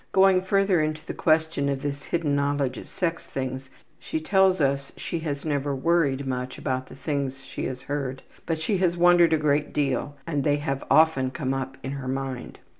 Going further into the question of this hidden knowledge of sex things, she tells us she has never worried much about the things she has heard, but she has wondered a great deal and they have often come up in her mind.